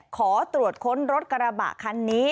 ขอตรวจค้นรถกระบะคันนี้